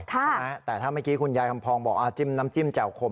ใช่ไหมแต่ถ้าเมื่อกี้คุณยายคำพองบอกจิ้มน้ำจิ้มแจ่วคม